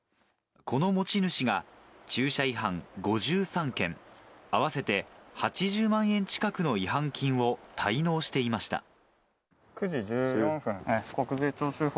この持ち主が、駐車違反５３件、合わせて８０万円近くの違反金を滞納していました。